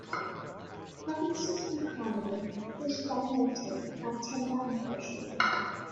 The province's economy was dominated by timber and fishing.